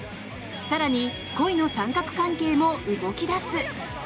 更に恋の三角関係も動き出す。